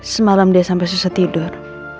semalam dia sampai susah tidur